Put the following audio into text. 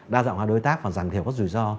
đa dạng hóa đối tác và giảm thiểu các rủi ro